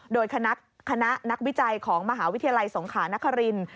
โดยคณะนักวิจัยของมวสกนครินต์